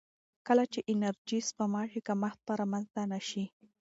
کله چې انرژي سپما شي، کمښت به رامنځته نه شي.